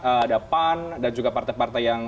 ada pan dan juga partai partai yang